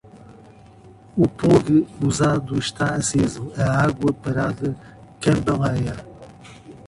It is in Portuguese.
O plugue usado está aceso, a água parada cambaleia.